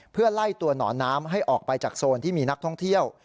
เพื่อไล่ตัวหนอนน้ำให้ออกไปจากโซนที่มีนักท่องเที่ยว